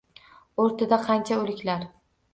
O‘rtada qancha o‘liklar.